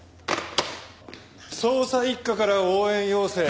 捜査一課から応援要請。